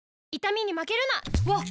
わっ！